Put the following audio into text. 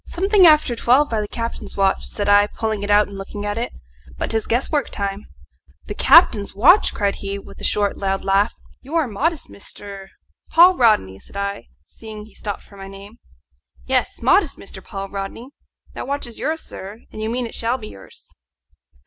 "Something after twelve by the captain's watch," said I, pulling it out and looking at it. "But 'tis guesswork time." "The captain's watch?" cried he, with a short loud laugh. "You are modest, Mr. " "Paul Rodney," said I, seeing he stopped for my name. "Yes, modest, Mr. Paul Rodney. That watch is yours, sir; and you mean it shall be yours."